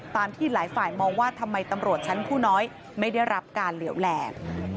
ที่หลายฝ่ายมองว่าทำไมตำรวจชั้นผู้น้อยไม่ได้รับการเหลวแหลก